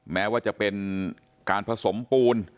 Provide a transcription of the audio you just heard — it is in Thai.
แม้ว่าจะเป็นการผสมปูน